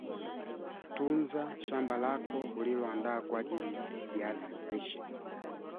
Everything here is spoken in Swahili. Asilimia kubwa hadi ya wanyama wagonjwa hufa Vifo hivi vinaweza kutokea ghafla